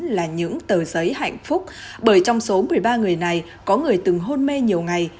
là những tờ giấy hạnh phúc bởi trong số một mươi ba người này có người từng hôn mê nhiều ngày